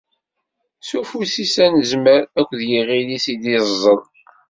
S ufus-is anezmar akked yiɣil-is i d-iẓẓel.